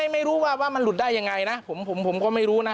ไม่รู้ว่าว่ามันหลุดได้ยังไงนะผมก็ไม่รู้นะ